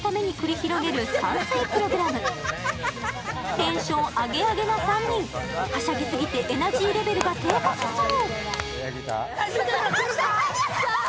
テンションアゲアゲな３人、はしゃぎすぎてエナジーレベルが低下しそう。